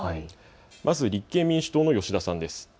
まず立憲民主党の吉田さんです。